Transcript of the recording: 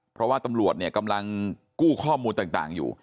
เพราะว่าตำรวจเนี่ยกำลังกู้ข้อมูลต่างอยู่